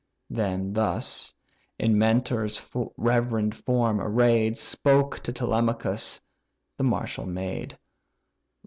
Then thus, in Mentor's reverend form array'd, Spoke to Telemachus the martial maid.